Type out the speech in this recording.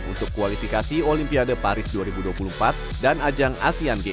untuk kualifikasi olimpiade paris dua ribu dua puluh empat dan ajang asean games